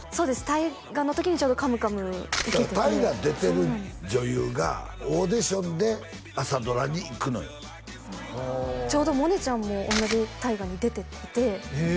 大河の時にちょうど「カムカム」受けてて大河出てる女優がオーディションで朝ドラにいくのよはあちょうど萌音ちゃんも同じ大河に出ていてへえ